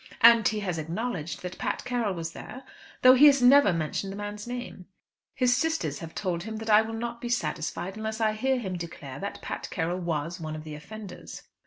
"And he has acknowledged that Pat Carroll was there, though he has never mentioned the man's name. His sisters have told him that I will not be satisfied unless I hear him declare that Pat Carroll was one of the offenders."